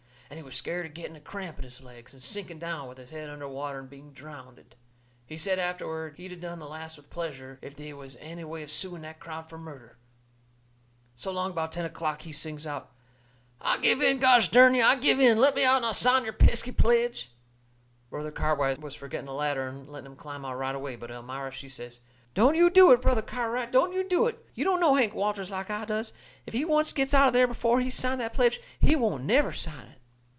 And he was scared of getting a cramp in his legs, and sinking down with his head under water and being drownded. He said afterward he'd of done the last with pleasure if they was any way of suing that crowd fur murder. So along about ten o'clock he sings out: "I give in, gosh dern ye! I give in. Let me out and I'll sign your pesky pledge!" Brother Cartwright was fur getting a ladder and letting him climb out right away. But Elmira, she says: "Don't you do it, Brother Cartwright; don't you do it. You don't know Hank Walters like I does. If he oncet gets out o' there before he's signed that pledge, he won't never sign it."